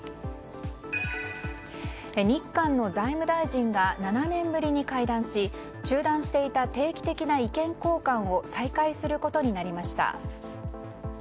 日韓の財務大臣が７年ぶりに会談し中断していた定期的な意見交換を再開することになりました。